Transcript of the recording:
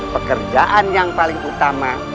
pekerjaan yang paling utama